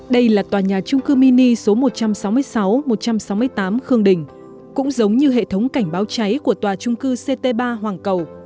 đây là tòa nhà trung cư mini số một trăm sáu mươi sáu một trăm sáu mươi tám khương đình cũng giống như hệ thống cảnh báo cháy của tòa trung cư ct ba hoàng cầu